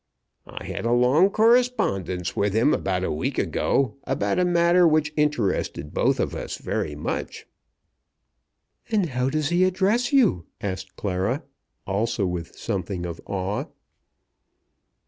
"I had a long correspondence with him about a week ago about a matter which interested both of us very much." "And how does he address you?" asked Clara, also with something of awe.